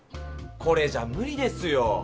これじゃむりですよ。